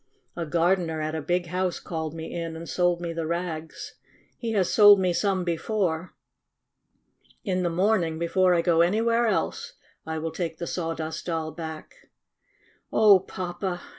A gardener at a big house called me in and sold me the rags. He has sold me some before. In the morning, be fore I go anywhere else, I will take the Sawdust Doll back." "Oh, Papa !"